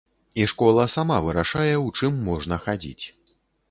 І школа сама вырашае, у чым можна хадзіць.